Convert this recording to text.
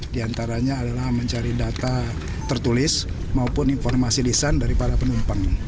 di antaranya adalah mencari data tertulis maupun informasi lisan dari para penumpang